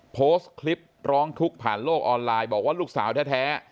โพสต์คลิปร้องทุกข์ผ่านโลกออนไลน์บอกว่าลูกสาวแท้